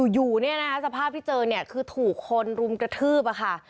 อยู่สภาพที่เจอคือถูกคนรุมกระทืบค่ะ